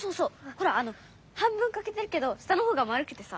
ほら半分かけてるけど下のほうが丸くてさ。